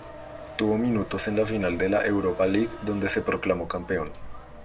Tuvo minutos en la final de la Europa League donde se proclamó campeón.